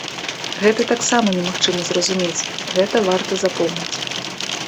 Гэта таксама немагчыма зразумець, гэта варта запомніць.